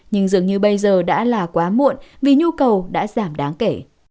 nhưng dường như bây giờ đã là quá muộn vì nhu cầu đã giảm đáng kể